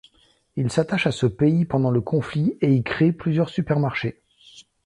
Il s'attache à ce pays pendant le conflit et y créé plusieurs supermarchés.